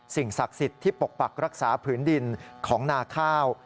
สิ่งศักดิ์สิทธิ์ที่ปกปักรักษาผืนดินของนาข้าว